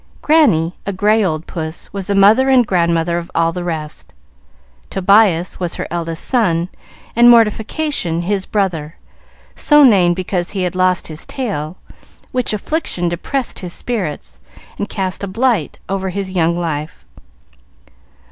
Granny, a gray old puss, was the mother and grandmother of all the rest. Tobias was her eldest son, and Mortification his brother, so named because he had lost his tail, which affliction depressed his spirits and cast a blight over his young life.